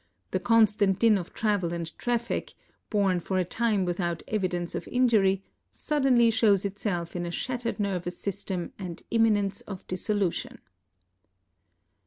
The constant din of travel and traffic, borne for a time without evidence of injury, suddenly shows itself in a shattered nervous system and imminence of dissolution."